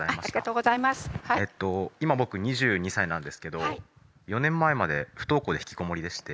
えと今僕２２歳なんですけど４年前まで不登校で引きこもりでして。